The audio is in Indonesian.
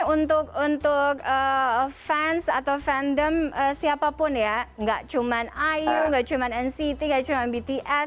untuk untuk fans atau fandom siapapun ya nggak cuma iu nggak cuma nct gak cuma bts